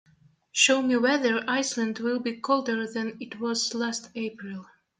Show me whether Iceland will be colder than it was last april